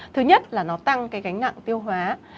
thứ nhất là nó tăng cái gánh nặng tiêu hóa